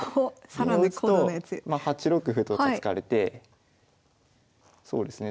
銀を打つと８六歩と突かれてそうですね